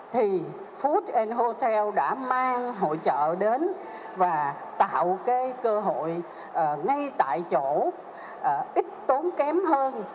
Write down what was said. thì food hotel đã mang hội trợ đến và tạo cái cơ hội ngay tại chỗ ít tốn kém hơn